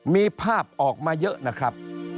มีภาพออกมาเยอะนะครับ